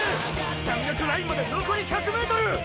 山岳ラインまで残り１００ｍ！